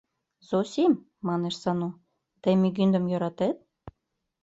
— Зосим, — манеш Сану, — тый мӱгиндым йӧратет?